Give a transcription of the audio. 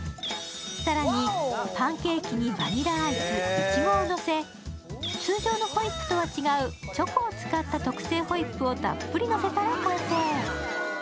更に、パンケーキにバニラアイス、いちごをのせ、通常のホイップとは違うチョコを使った特製ホイップをたっぷりのせたら完成。